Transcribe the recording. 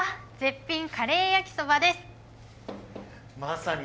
絶品カレー焼きそばです。